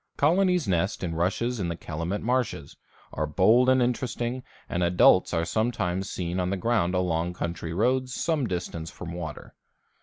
Colonies nest in rushes in the Calumet marshes, are bold and interesting, and adults are sometimes seen on the ground along country roads some distance from water.